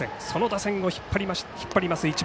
その打線を引っ張ります